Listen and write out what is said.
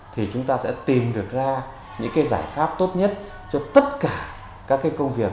thì chúng ta sẽ tìm được ra những giải pháp tốt nhất cho tất cả các công việc